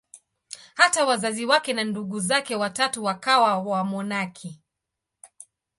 Hata wazazi wake na ndugu zake watatu wakawa wamonaki.